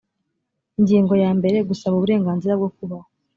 ingingo ya mbere gusaba uburenganzira bwo kubaho